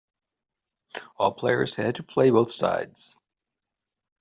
All players had to play both sides.